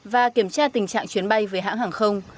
và kiểm tra tình trạng chuyến bay với hãng hàng không